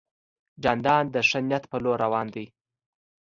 جانداد د ښه نیت په لور روان دی.